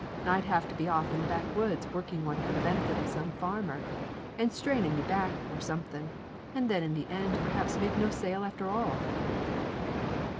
I'd have to be off in the backwoods working one for the benefit of some farmer, and strainin' me back or something, and then in the end perhaps make no sale after all!"